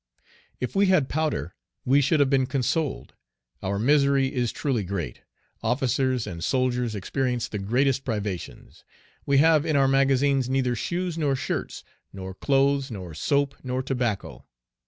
If we had powder, we should have been consoled; our misery is truly great; officers and soldiers experience the greatest privations. We have in our magazines neither shoes nor shirts, nor clothes, nor soap, nor tobacco.